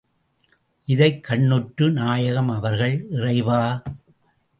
இதைக் கண்ணுற்ற நாயகம் அவர்கள், இறைவா!